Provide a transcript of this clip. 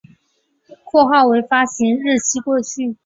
括号为发行日期过去